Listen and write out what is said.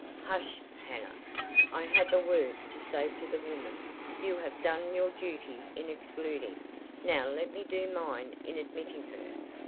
"Hush, Hannah! I have a word to say to the woman. You have done your duty in excluding, now let me do mine in admitting her.